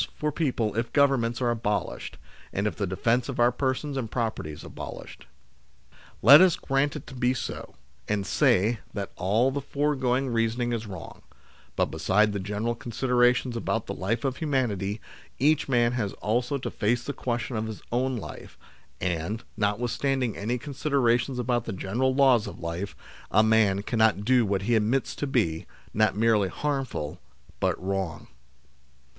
123 for people if Governments are abolished, and if the defence of our persons and property is abolished. Let us grant it to be so, and say that all the foregoing reasoning is wrong ; but besides the general considerations about the life of humanity, each man has also to face the question of his own life, and, notwithstanding any considerations about the general laws of life, a man cannot do what he admits to be, not merely harmful, but wrong.